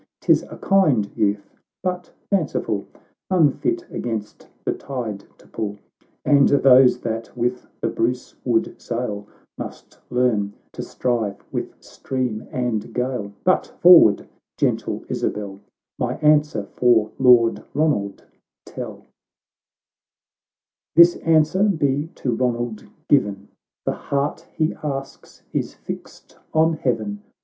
'Tis a kind youth, but fanciful, Unfit against the tide to pull, And those that with the Bruce would sail, Must learn to strive with stream and gale. — Bui forward, gentle Isabel — My answer for Lord Ronald tell." — CANTO IV.] THE LOED OF THE ISLES. 621 XXVII " This answer be to Eonald given — The heart he asks is fixed on heaven.